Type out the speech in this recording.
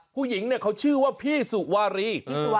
ผู้หญิงเขาชื่อว่าพี่สุวรี